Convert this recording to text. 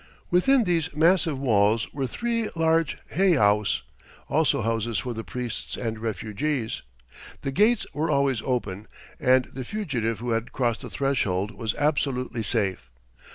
Within these massive walls were three large heiaus, also houses for the priests and refugees. The gates were always open, and the fugitive who had crossed the threshold was absolutely safe.